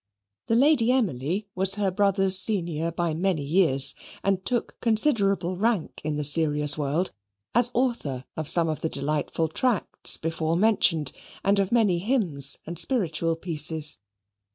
The Lady Emily was her brother's senior by many years; and took considerable rank in the serious world as author of some of the delightful tracts before mentioned, and of many hymns and spiritual pieces.